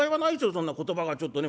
そんな言葉がちょっとね